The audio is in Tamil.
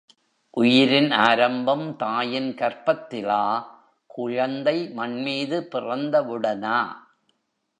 உயிரின் ஆரம்பம் தாயின் கர்ப்பத்திலா, குழந்தை மண்மீது பிறந்தவுடனா.